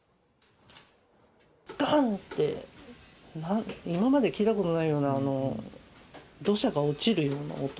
がん！って今まで聞いたことないような、土砂が落ちるような音。